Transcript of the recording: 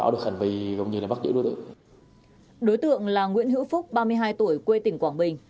đối tượng là nguyễn hữu phúc ba mươi hai tuổi quê tỉnh quảng bình